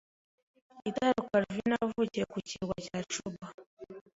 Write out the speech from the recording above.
Italo Calvino yavukiye ku kirwa cya Cuba